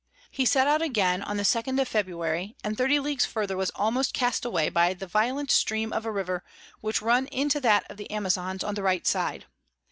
He set out again the 2d of Febr. and 30 Leagues further was almost cast away by the violent Stream of a River which run into that of the Amazons on the right side.